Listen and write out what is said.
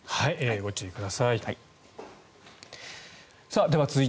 ご注意ください。